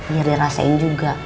biar dirasain juga